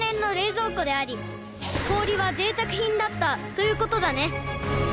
ということだね。